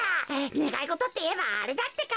ねがいごとっていえばあれだってか。